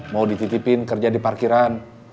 mau dititipin kerja di parkiran